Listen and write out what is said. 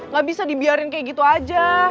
gak bisa dibiarin kayak gitu aja